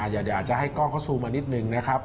เดี๋ยวอาจจะให้กล้องเขาซูมมานิดนึงนะครับ